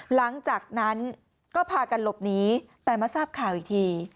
หลังจากนั้นก็พากันหลบหนีแต่มาทราบข่าวอีกที